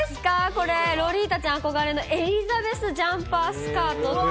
これ、ロリータちゃん憧れのエリザベスジャンパースカートって。